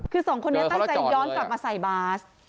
คือสองคนนี้ตั้งใจย้อนกลับมาใส่บาส